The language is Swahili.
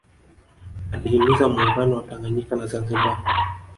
Alihimiza Muungano wa Tanganyika na Zanzibar